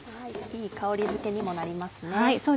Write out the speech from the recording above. いい香りづけにもなりますね。